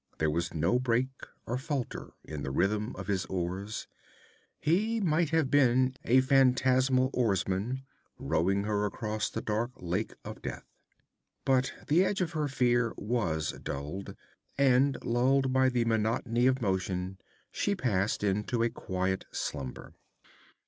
There was no break or falter in the rhythm of his oars; he might have been a fantasmal oarsman, rowing her across the dark lake of Death. But the edge of her fear was dulled, and, lulled by the monotony of motion, she passed into a quiet slumber.